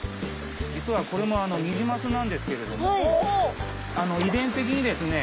実はこれもニジマスなんですけれども遺伝的にですね